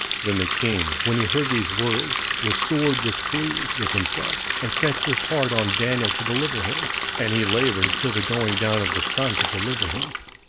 27:006:014 Then the king, when he heard these words, was sore displeased with himself, and set his heart on Daniel to deliver him: and he laboured till the going down of the sun to deliver him.